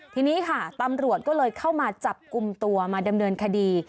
ทีนี้ค่ะตำรวจก็เลยเข้ามาจับกลุ่มตัวมาดำเนินคดี